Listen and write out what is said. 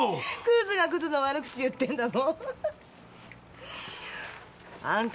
クズがクズの悪口言ってんだもん。